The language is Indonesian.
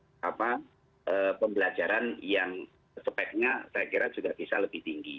untuk proses pembelajaran yang speknya saya kira juga bisa lebih tinggi